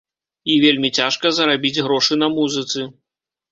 І вельмі цяжка зарабіць грошы на музыцы.